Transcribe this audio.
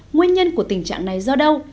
nguyên nhân của tình trạng này do đâu